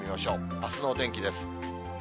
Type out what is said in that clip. あすのお天気です。